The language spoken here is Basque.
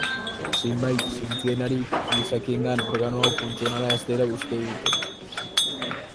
Zenbait zientzialarik gizakiengan organo hau funtzionala ez dela uste dute.